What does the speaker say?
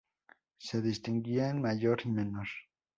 Se distinguía en mayor y menor.